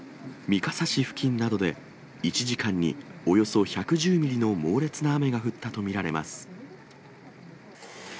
三笠市付近などで１時間におよそ１１０ミリの猛烈な雨が降ったと見られます。